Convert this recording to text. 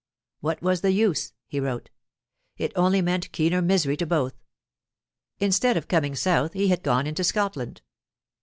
What was the use? he wrote. It only meant keener misery to both. Instead of coming south, he had gone into Scotland.